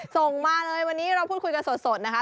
ส่งมาเลยวันนี้เราพูดคุยกันสดนะคะ